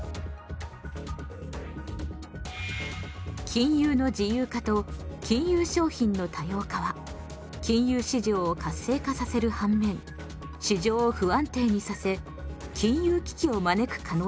金融の自由化と金融商品の多様化は金融市場を活性化させる反面市場を不安定にさせ金融危機をまねく可能性を高めます。